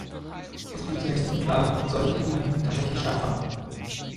Es blieb zunächst unklar, ob solche Übungen tatsächlich stattfanden.